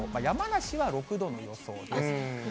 山梨は６度の予想です。